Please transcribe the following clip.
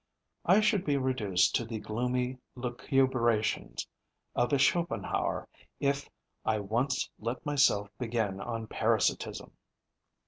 I should be reduced to the gloomy lucubrations of a Schopenhauer if I once let myself begin on parasitism.